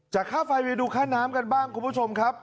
ค่าไฟไปดูค่าน้ำกันบ้างคุณผู้ชมครับ